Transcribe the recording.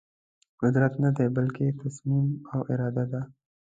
قدرت ندی بلکې تصمیم او اراده ده.